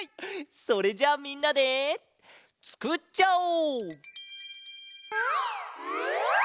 それじゃあみんなでつくっちゃおう！